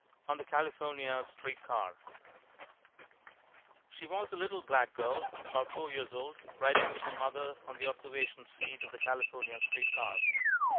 On the California Street Car She was a little black girl about four years old, riding with her mother on the observation seat of the California street car.